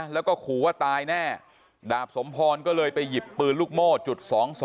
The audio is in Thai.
แล้วก็ขู่ว่าตายแน่ดาบสมพรก็เลยไปหยิบปืนลูกโม่จุด๒๒